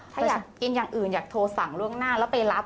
ถ้าอยากกินอย่างอื่นอยากโทรสั่งล่วงหน้าแล้วไปรับ